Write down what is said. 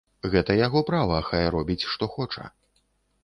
Гэта яго права, хай робіць, што хоча.